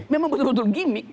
memang betul betul gimik